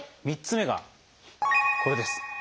３つ目がこれです。